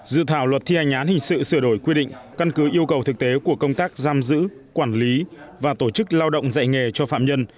dự thảo luật thi hành án hình sự sửa đổi quy định căn cứ yêu cầu thực tế của công tác giam giữ quản lý và tổ chức lao động dạy nghề cho phạm nhân